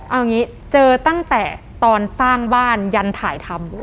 เอาอย่างนี้เจอตั้งแต่ตอนสร้างบ้านยันถ่ายทำเลยอ่ะ